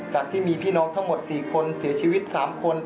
จากที่มีพี่น้องทั้งหมด๔คนเสียชีวิต๓คน